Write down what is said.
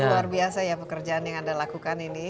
luar biasa ya pekerjaan yang anda lakukan ini